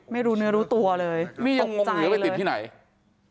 ไม่รู้เนื้อรู้ตัวเลยยังงงเหนือไปติดที่ไหน